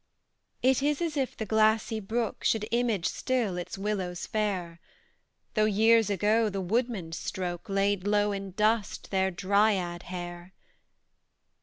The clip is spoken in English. It is as if the glassy brook Should image still its willows fair, Though years ago the woodman's stroke Laid low in dust their Dryad hair.